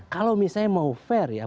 kalau misalnya mau fair ya